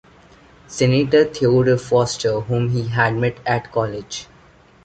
Senator Theodore Foster, whom he had met at college.